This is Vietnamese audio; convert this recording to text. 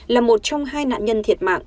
là một trong hai nạn nhân thiệt mạng